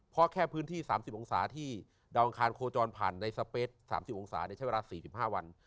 เพราะแค่พื้นที่๓๐องศาที่ดาวอังคารโคจรผ่านในสเปส๓๐องศาใช้เวลา๔๕วัน